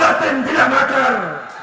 amin tidak makar